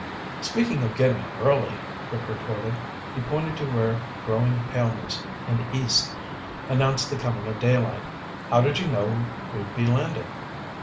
"Speaking of getting up early," Rick retorted. He pointed to where growing paleness in the east announced the coming of daylight. "How did you know we'd be landing?"